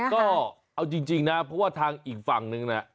ก็เอาจริงนะเพราะว่าทางอีกฝั่งนึงนะ